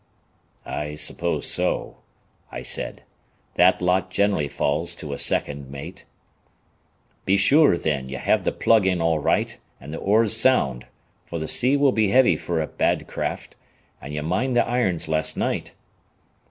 "I suppose so," I said; "that lot generally falls to a second mate." "Be sure, thin, ye have th' plug in all right an' th' oars sound, fer th' sea will be heavy fer a bad craft, and ye mind th' irons last night."